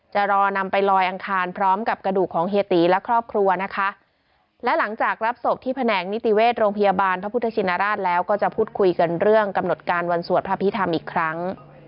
จะรอนำไปลอยอังคารพร้อมกับกระดูกของเฮียตีและครอบครัวนะคะและหลังจากรับศพที่แผนกนิติเวชโรงพยาบาลพระพุทธชินราชแล้วก็จะพูดคุยกันเรื่องกำหนดการวันสวดพระพิธรรมอีกครั้ง